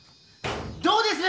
どうです！？